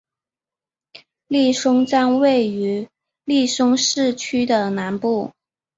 利松站位于利松市区的南部。